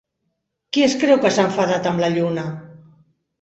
Qui es creu que s'han enfadat amb la Lluna?